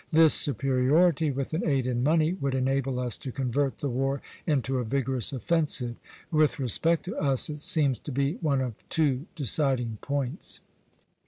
This superiority, with an aid in money, would enable us to convert the war into a vigorous offensive. With respect to us it seems to be one of two deciding points."